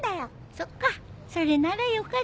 そっかそれならよかった。